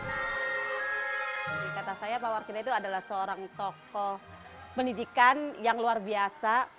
di kata saya pak warkina itu adalah seorang tokoh pendidikan yang luar biasa